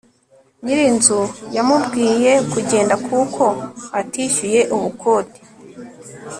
nyir'inzu yamubwiye kugenda kuko atishyuye ubukode